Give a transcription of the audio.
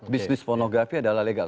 bisnis pornografi adalah legal